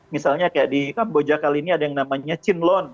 misalnya kayak di kamboja kali ini ada yang namanya chinlon